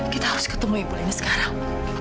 kita harus ketemu ibu ini sekarang